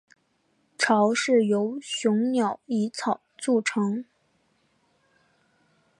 巢是由雌鸟以草筑成。